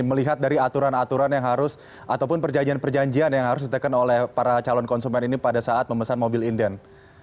melihat dari aturan aturan yang harus ataupun perjanjian perjanjian yang harus ditekan oleh para calon konsumen ini pada saat memesan mobil inden